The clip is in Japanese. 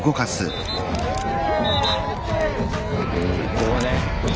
ここね。